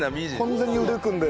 完全に腕組んで。